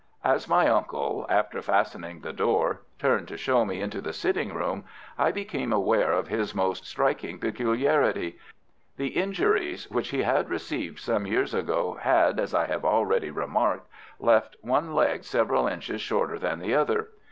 As my uncle, after fastening the door, turned to show me into the sitting room, I became aware of his most striking peculiarity. The injuries which he had received some years ago had, as I have already remarked, left one leg several inches shorter than the other.